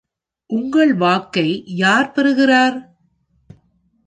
உங்கள் வாக்கை யார் பெறுகிறார்?